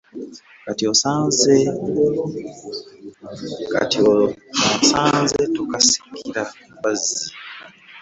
Kati onsaze tokasikira mbazzi .